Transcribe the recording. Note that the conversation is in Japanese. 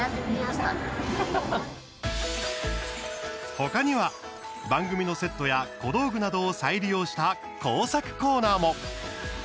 他には番組のセットや小道具などを再利用した工作コーナーも。